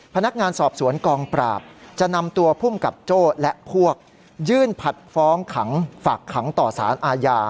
พนักงานสอบสวนกองปราบจะนำตัวภูมิกับโจ้และพวกยื่นผัดฟ้องขังฝากขังต่อสารอาญา